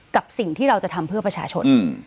กับสิ่งที่เราจะทำเพื่อประชาชน